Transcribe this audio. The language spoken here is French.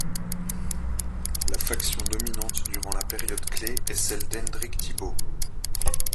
La faction dominante durant la période clef est celle d'Hendrick Thibault.